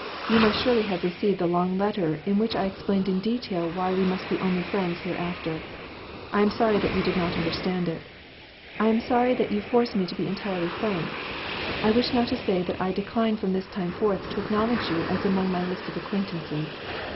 You must surely have received the long letter in which I explained in detail why we must be only friends hereafter. I am sorry that you did not understand it. I am sorry that you force me to be entirely frank. I wish now to say that I decline from this time forth to acknowledge you as among my list of acquaintances.